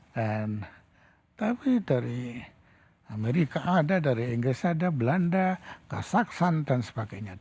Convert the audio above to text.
dan tapi dari amerika ada dari inggris ada belanda kasaksan dan sebagainya